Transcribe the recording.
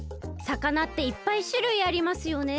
さかなっていっぱいしゅるいありますよね。